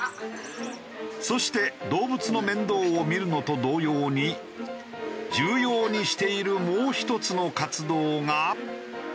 そして動物の面倒を見るのと同様に重要にしているもう一つの活動が。